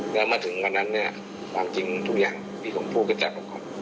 แล้วมาถึงวันนั้นเนี่ยความจริงทุกอย่างมีของผู้กระจกของเขา